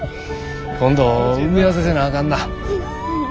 今度埋め合わせせなあかんな。